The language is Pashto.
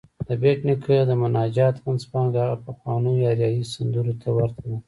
د بېټ نیکه د مناجات منځپانګه هغه پخوانيو اریايي سندرو ته ورته ده.